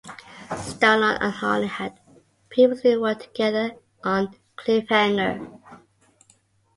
Stallone and Harlin had previously worked together on "Cliffhanger".